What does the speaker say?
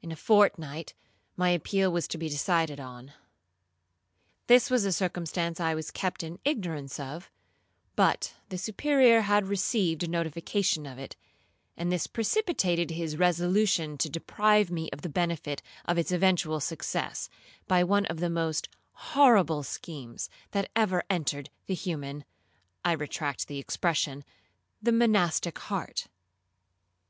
In a fortnight my appeal was to be decided on; this was a circumstance I was kept in ignorance of, but the Superior had received a notification of it, and this precipitated his resolution to deprive me of the benefit of its eventual success, by one of the most horrible schemes that ever entered the human (I retract the expression) the monastic heart.